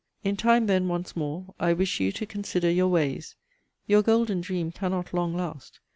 In time then, once more, I wish you to consider your ways. Your golden dream cannot long last.